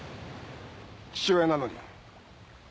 父親なのに。